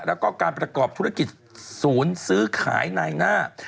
แล้วก็การประกอบธุรกิจศูนย์ซื้อขายนายหน้า